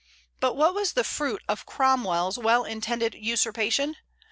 But what was the fruit of Cromwell's well intended usurpation?